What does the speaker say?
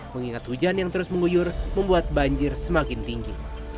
mengingat hujan yang terus menguyur membuat banjir semakin tinggi